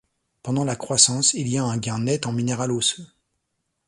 Pendant la croissance, il y a un gain net en minéral osseux.